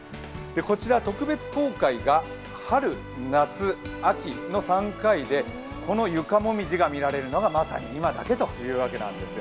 こちら特別公開が春、夏、秋の３回でこの床もみじが見られるのがまさに今だけということなんです。